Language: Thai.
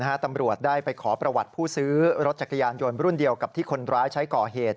ตำรวจได้ไปขอประวัติผู้ซื้อรถจักรยานยนต์รุ่นเดียวกับที่คนร้ายใช้ก่อเหตุ